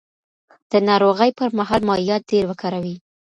د ناروغۍ پر مهال مایعات ډېر وکاروئ.